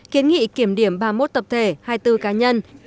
kiến nghị kiểm điểm ba mươi một tập thể hai mươi bốn cá nhân